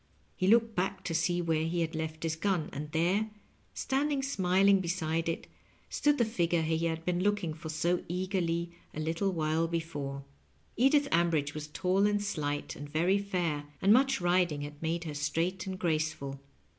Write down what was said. He looked back to see where he had left his gun, and there, standing smiling beside it, stood the figure he bad been looking for so eagerly a little while before. Edith Ambridge was tall and slight, and very fair, and much riding had made her straight and graceful.